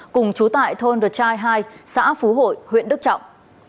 cùng chú tại thôn rượt trai hai xã phú hội huyện đức trọng